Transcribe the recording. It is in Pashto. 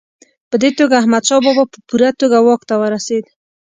په دې توګه احمدشاه بابا په پوره توګه واک ته ورسېد.